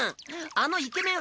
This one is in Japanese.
あのイケメン